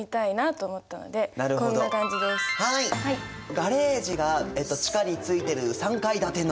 ガレージが地下に付いてる３階建ての。